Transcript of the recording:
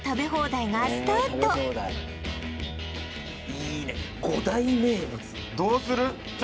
いいね五大名物どうする？